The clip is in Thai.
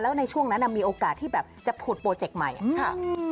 แล้วในช่วงนั้นมีโอกาสที่แบบจะผุดโปรเจกต์ใหม่อะค่ะ